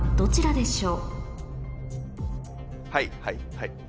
はいはい。